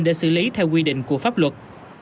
để xử lý theo quy định của pháp luật